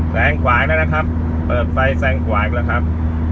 แซงขวาอีกแล้วนะครับเปิดไฟแซงขวาอีกแล้วครับ